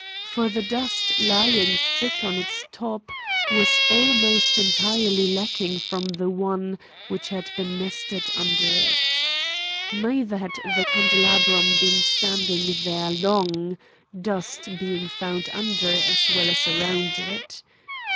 For the dust lying thick on its top was almost entirely lacking from the one which had been nested under it. Neither had the candelabrum been standing there long, dust being found under as well as around it.